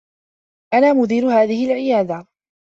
أنا مدير هذه العيادة.